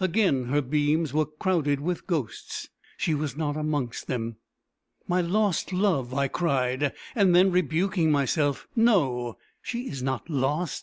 Again her beams were crowded with ghosts. She was not amongst them. "My lost love!" I cried; and then, rebuking myself, "No; she is not lost.